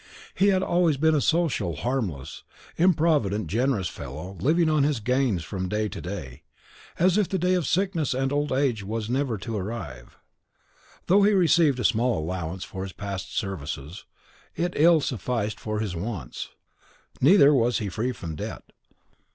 He had been always a social, harmless, improvident, generous fellow living on his gains from day to day, as if the day of sickness and old age never was to arrive. Though he received a small allowance for his past services, it ill sufficed for his wants,; neither was he free from debt.